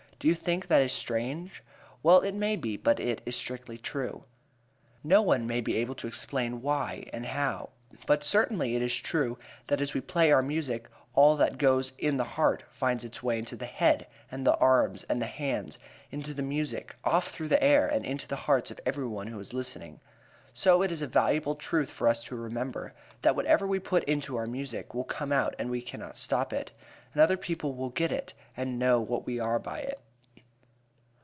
Do you think that is strange? Well, it may be, but it is strictly true. No one may be able to explain why and how, but certainly it is true that as we play our music all that goes on in the heart finds its way into the head, and the arms, and the hands, into the music, off through the air, and into the hearts of every one who is listening. So it is a valuable truth for us to remember, that whatever we put into our music will come out and we cannot stop it; and other people will get it, and know what we are by it.